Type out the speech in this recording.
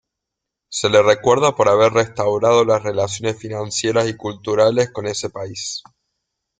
Se le recuerda por haber restaurado las relaciones financieras y culturales con ese país.